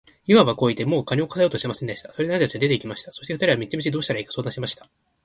イワンはこう言って、もう金をこさえようとはしませんでした。それで兄たちは出て行きました。そして二人は道々どうしたらいいか相談しました。